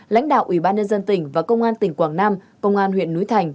lãnh đạo ủy ban nhân dân tỉnh và công an tỉnh quảng nam công an huyện núi thành